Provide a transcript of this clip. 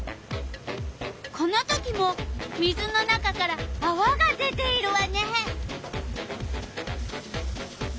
このときも水の中からあわが出ているわね！